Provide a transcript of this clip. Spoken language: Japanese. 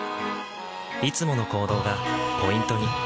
いつもの行動がポイントに。